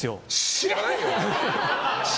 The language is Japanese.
知らないよ！